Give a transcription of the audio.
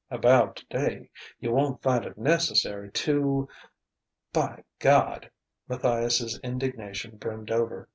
"About today: you won't find it necessary to ?" "By God!" Matthias's indignation brimmed over.